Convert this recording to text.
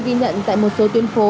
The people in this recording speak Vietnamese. ghi nhận tại một số tuyên phố